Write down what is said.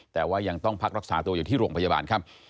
แต่ว่ายังต้องพักรักษาตัวอยู่ที่โรงพยาบาลครับ